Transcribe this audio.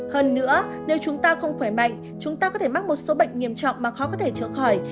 hơn nữa nếu chúng ta không khỏe mạnh chúng ta có thể mắc một số bệnh nghiêm trọng mà khó có thể chữa khỏi